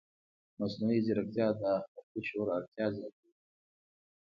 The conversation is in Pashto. مصنوعي ځیرکتیا د اخلاقي شعور اړتیا زیاتوي.